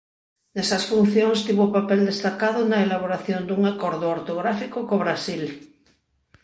Nesas funcións tivo papel destacado na elaboración dun acordo ortográfico co Brasil.